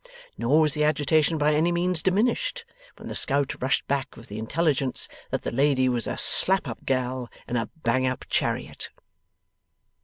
Nor was the agitation by any means diminished, when the scout rushed back with the intelligence that the lady was 'a slap up gal in a bang up chariot.